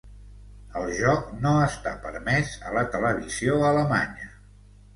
El joc no està permès a la televisió alemanya.